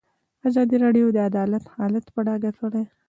ازادي راډیو د عدالت حالت په ډاګه کړی.